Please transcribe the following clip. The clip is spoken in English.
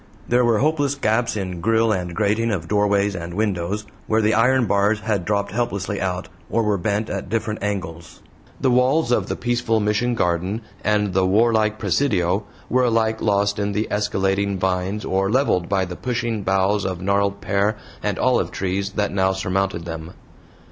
There were hopeless gaps in grille and grating of doorways and windows, where the iron bars had dropped helplessly out, or were bent at different angles. The walls of the peaceful Mission garden and the warlike presidio were alike lost in the escalading vines or leveled by the pushing boughs of gnarled pear and olive trees that now surmounted them.